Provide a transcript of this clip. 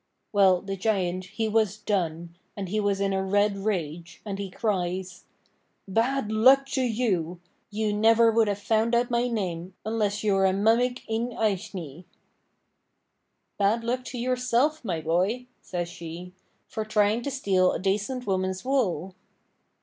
Well the Giant, he was done, and he was in a red rage, and he cries: 'Bad luck to you! You never would have found out my name unless you're a mummig yn aishnee.' 'Bad luck to yourself, my boy,' says she, 'for trying to steal a dacent woman's wool.'